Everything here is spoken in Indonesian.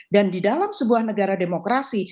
dan di dalam sebuah negara demokrasi